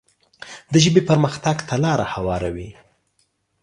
د ژبې پرمختګ ته لاره هواروي.